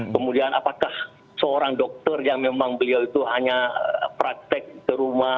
kemudian apakah seorang dokter yang memang beliau itu hanya praktek ke rumah